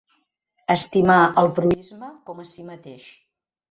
Estimar el proïsme com a si mateix.